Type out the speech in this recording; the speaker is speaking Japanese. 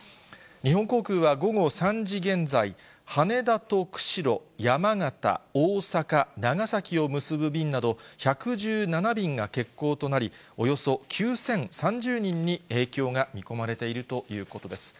日本航空は午後３時現在、羽田と釧路、山形、大阪、長崎を結ぶ便など１１７便が欠航となり、およそ９０３０人に影響が見込まれているということです。